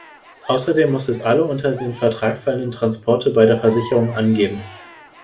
Außerdem muss es alle unter den Vertrag fallenden Transporte bei der Versicherung angeben.